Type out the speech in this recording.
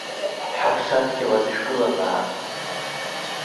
Ҳаԥсадгьылаз шәгыл абааԥс!